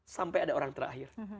sampai ada orang terakhir